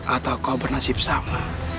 atau kau bernasib sama